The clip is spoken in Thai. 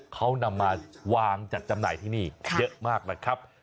เขานำมาวางจัดจำหน่ายที่นี่เยอะมากนะครับ